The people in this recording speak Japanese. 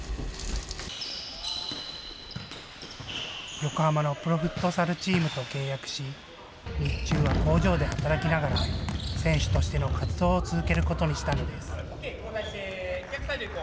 横浜のプロフットサルチームと契約し、日中は工場で働きながら、選手としての活動を続けることにしたのです。